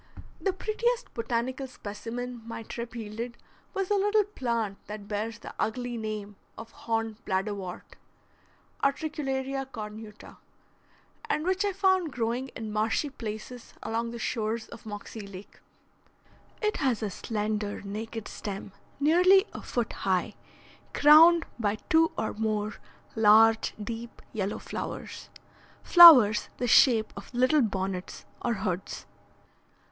The prettiest botanical specimen my trip yielded was a little plant that bears the ugly name of horned bladderwort (Utricularia cornuta), and which I found growing in marshy places along the shores of Moxie Lake. It has a slender, naked stem nearly a foot high, crowned by two or more large deep yellow flowers, flowers the shape of little bonnets or hoods.